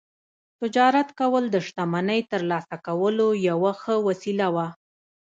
تجارت کول د شتمنۍ ترلاسه کولو یوه ښه وسیله وه